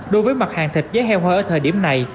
đối với mặt hàng thịt giá heo hơi ở thời điểm này